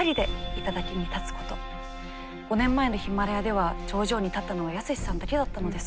５年前のヒマラヤでは頂上に立ったのは泰史さんだけだったのです。